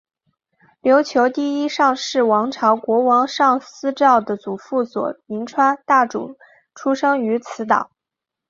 琉球第一尚氏王朝国王尚思绍的祖父佐铭川大主出生于此岛。